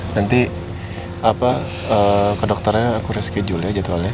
nanti ke dokternya aku reski jual ya jadwalnya